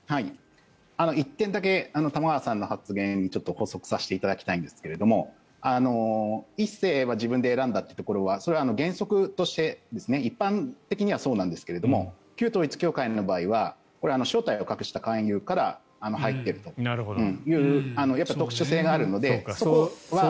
１点だけ玉川さんの発言に補足させていただきたいんですが１世は自分で選んだというところはそれは原則として一般的にはそうなんですけども旧統一教会の場合は正体を隠した勧誘から入っているというやっぱり特殊性があるので。